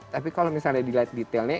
tapi kalau misalnya dilihat detailnya